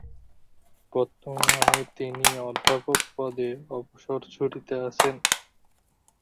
বর্তমানে তিনি অধ্যাপক পদে অবসর ছুটিতে আছেন।